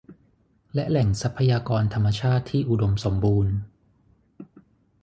และแหล่งทรัพยากรธรรมชาติที่อุดมสมบูรณ์